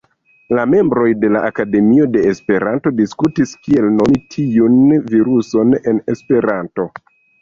La membroj de la Akademio de Esperanto diskutis, kiel nomi tiun viruson en Esperanto.